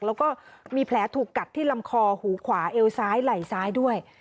แล้วก็มีแผลถูกกัดที่ลำคอหูขวาเอวซ้ายไหล่ซ้ายด้วย